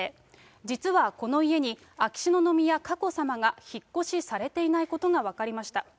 実はこの家に秋篠宮佳子さまが引っ越しされていないことが分かりました。